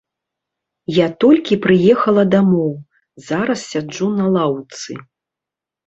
Я толькі прыехала дамоў, зараз сяджу на лаўцы.